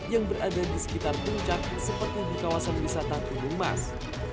yang berada di sekitar puncak seperti di kawasan wisata gunung mas